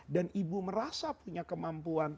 dan ibu merasa punya kemampuan